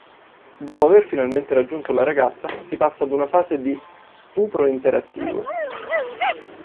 Dopo aver finalmente raggiunto la ragazza si passa ad una fase di "stupro interattivo".